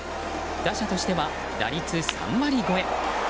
打者としては打率３割超え。